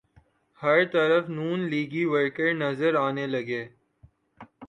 ہر طرف نون لیگی ورکر نظر آنے لگے۔